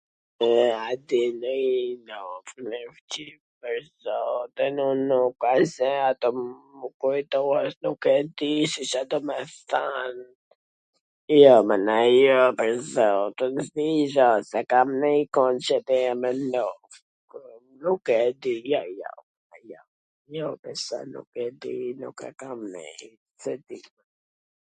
E a di nonj nofk nw shqip, pwr zotin, un nuk wsht se a tu m u kujtu, nuk e di se Ca do me than, jo, mana, jo, pwr zotin, s di gjw, s e kam nii ...nofk, nuk e di, jo, jo, jo, besa, nuk e di, nuk e kam nii, s e di.